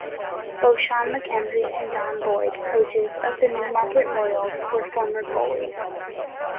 Both Shawn Mackenzie and Don Boyd, coaches of the Newmarket Royals were former goalies.